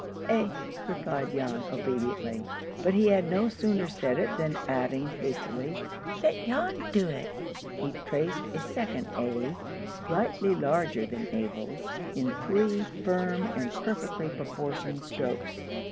"A," replied Jan, obediently. But he had no sooner said it, than, adding hastily, "Let Jan do it," he traced a second A, slightly larger than Abel's, in three firm and perfectly proportioned strokes.